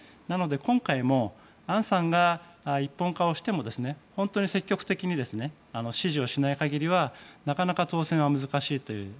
なので今回もアンさんが一本化をしても本当に積極的に支持をしない限りはなかなか当選は難しいという。